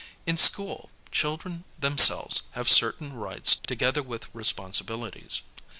In school, children themselves have certain rights together with responsi bilities.